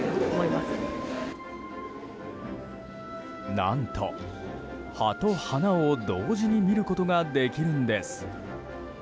何と、葉と花を同時に見ることができるんです。